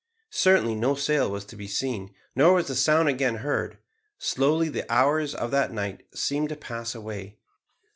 Certainly no sail was to be seen, nor was a sound again heard. Slowly the hours of that night seemed to pass away.